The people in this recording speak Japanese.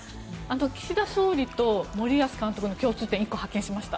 岸田総理と森保監督の共通点１個、発見しました。